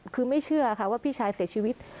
คือไม่เชื่อค่ะว่าพี่ชายเสียชีวิต